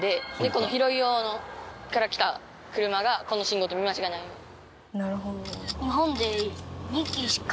この広い用のから来た車がこの信号と見間違えないように。